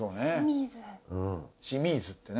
シミーズってね。